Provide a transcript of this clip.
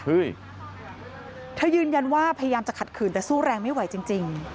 เธอยืนยันว่าพยายามจะขัดขืนแต่สู้แรงไม่ไหวจริง